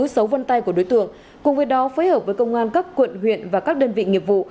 giấu vân tay của đối tượng cùng với đó phối hợp với công an các quận huyện và các đơn vị nghiệp vụ